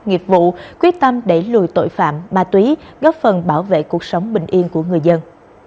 nghiệp vụ quyết tâm đẩy lùi tội phạm ma túy góp phần bảo vệ cuộc sống bình yên của người dân